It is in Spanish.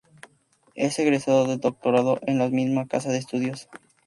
Es egresado del Doctorado en la misma casa de estudios.